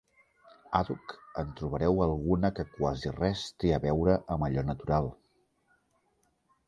Àdhuc en trobareu alguna que quasi res té a veure amb allò natural.